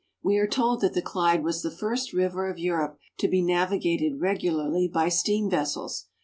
We are told that the Clyde was the first river of Europe to be navigated regularly by steam vessels.